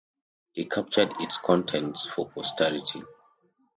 He captured its contents for posterity.